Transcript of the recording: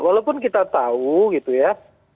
walaupun kita tahu gitu ya